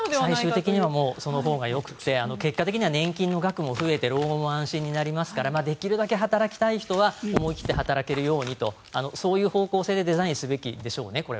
最終的にはそのほうがよくて結果的には年金の額も増えて老後も安心になりますからできるだけ働きたい人は思い切って働けるようにという方向性でデザインするべきでしょうね。